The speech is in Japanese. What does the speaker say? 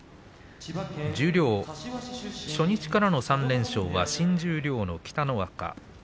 十両、初日からの３連勝は新十両の北の若